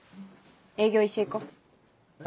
営業一緒に行こう。